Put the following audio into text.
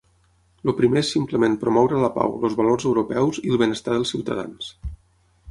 El primer és simplement promoure la pau, els valors europeus i el benestar dels ciutadans.